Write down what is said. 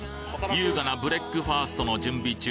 優雅なブレックファーストの準備中！